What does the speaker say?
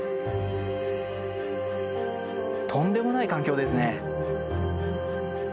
とんでもない環境ですね。